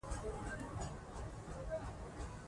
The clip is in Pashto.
هغې به لنډۍ ویلې وي.